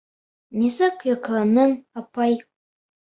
— Нисек йоҡланың, апай?